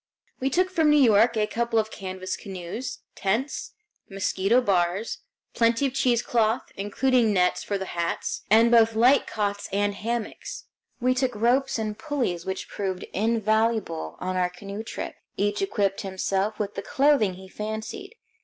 We took from New York a couple of canvas canoes, tents, mosquito bars, plenty of cheesecloth, including nets for the hats, and both light cots and hammocks. We took ropes and pulleys which proved invaluable on our canoe trip. Each equipped himself with the clothing he fancied.